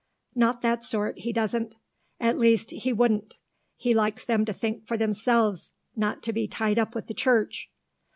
"Not that sort, he doesn't. At least, he wouldn't. He likes them to think for themselves, not to be tied up with the Church."